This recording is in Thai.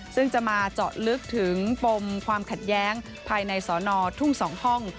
ซึ่งจะมาเจาะลึกถึงปมความขัดแย้งภายในสอนอทุ่ง๒ห้อง